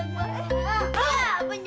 ini mau ikban